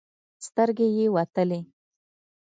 سترګې يې وتلې.